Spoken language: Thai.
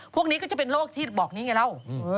พวกนี้ก็จะเป็นโรคที่บอกนี้ไงเรา